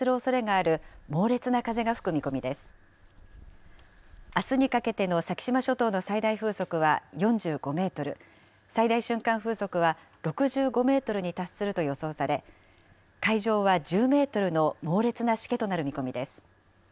あすにかけての先島諸島の最大風速は４５メートル、最大瞬間風速は６５メートルに達すると予想され、海上は１０メートルの猛烈なしけとなる見込みです。